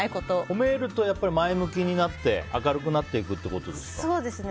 褒めると前向きになって明るくなっていくってことですか。